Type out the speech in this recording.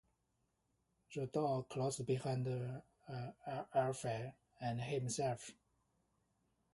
The door closed behind Alfie and himself.